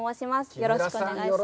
よろしくお願いします。